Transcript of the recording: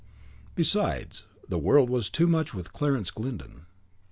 Besides, the world was too much with Clarence Glyndon.